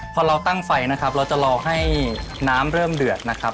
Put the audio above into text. พอเราตั้งไฟนะครับเราจะรอให้น้ำเริ่มเดือดนะครับ